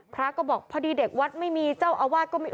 พระก็บอกพอดีเด็กวัดไม่มีเจ้าอาวาสก็ไม่มี